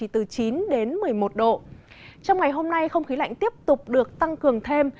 trong ngày hôm nay không khí lạnh tiếp tục được tăng cường thêm